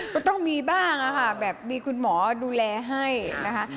ก็ต้องมีบ้างค่ะแบบมีคุณหมอดูแลให้นะคะ